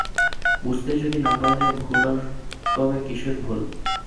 বুঝতেই যদি না পারা যায়, ভুল আর তবে কিসের ভুল?